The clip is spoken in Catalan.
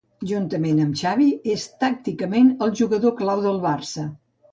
Juntament amb Xavi, és tàcticament el jugador clau del Barça.